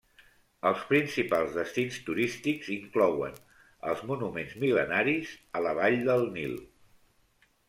Els principals destins turístics inclouen els monuments mil·lenaris a la Vall del Nil.